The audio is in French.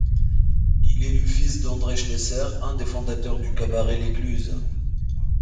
Il est le fils d'André Schlesser, un des fondateurs du Cabaret L'Écluse.